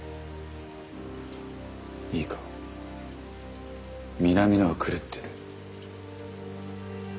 いいか南野は狂ってる。